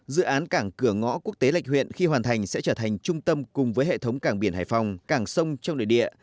dự án cảng cửa ngõ quốc tế lạch huyện khi hoàn thành sẽ trở thành trung tâm cùng với hệ thống cảng biển hải phòng cảng sông trong nội địa